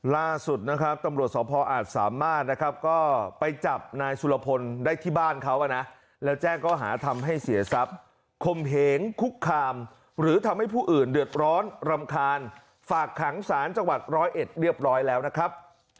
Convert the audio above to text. แล้วแจ้งก็หาทำให้เสียทรัพย์คมเหงคุกคามหรือทำให้ผู้อื่นเดือดร้อนรำคาญฝากขังศาลจังหวัด๑๐๑เรียบร้อยแล้วนะครับ